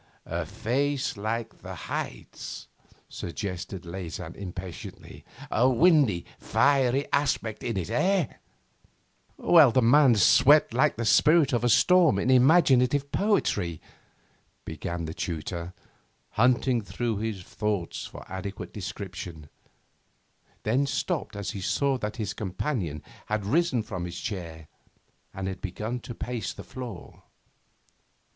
'A face like the heights,' suggested Leysin impatiently, 'a windy, fiery aspect in it, eh?' 'The man swept past like the spirit of a storm in imaginative poetry ' began the tutor, hunting through his thoughts for adequate description, then stopped as he saw that his companion had risen from his chair and begun to pace the floor.